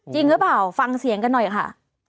จริงหรือเปล่าฟังเสียงกันหน่อยค่ะ